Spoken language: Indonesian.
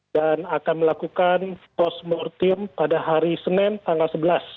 dan akan melakukan postmortem pada hari senin tanggal sebelas